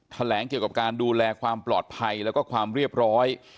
แถลงเกี่ยวกับการดูแลความปลอดภัยแล้วก็ความเรียบร้อย